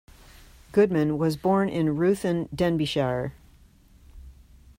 Goodman was born in Ruthin, Denbighshire.